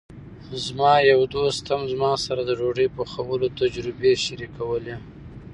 زما یو دوست هم زما سره د ډوډۍ پخولو تجربې شریکولې.